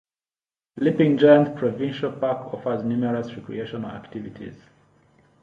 Sleeping Giant Provincial Park offers numerous recreational activities.